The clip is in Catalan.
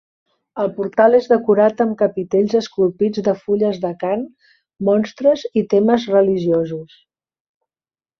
El portal és decorat amb capitells esculpits de fulles d'acant, monstres i temes religiosos.